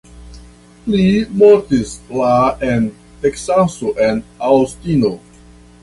Li mortis la en Teksaso en Aŭstino.